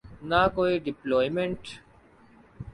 نہ کوئی ڈویلپمنٹ۔